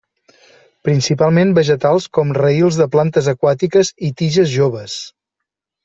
Principalment vegetals com raïls de plantes aquàtiques i tiges joves.